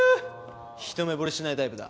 一目惚れしないタイプだ？